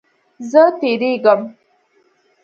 زه تیریږم